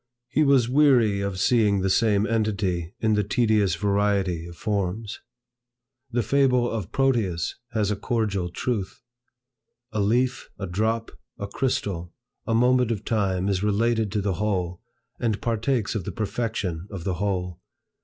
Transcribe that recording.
He was weary of seeing the same entity in the tedious variety of forms. The fable of Proteus has a cordial truth. A leaf, a drop, a crystal, a moment of time is related to the whole, and partakes of the perfection of the whole.